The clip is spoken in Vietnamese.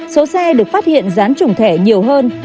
số xe được phát hiện dán chủng thẻ nhiều hơn